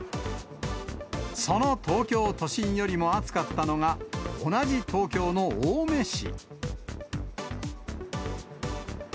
その東京都心よりも暑かったのが、同じ東京の青梅市。